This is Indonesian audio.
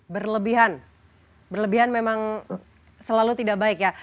berlebihan berlebihan memang selalu tidak baik ya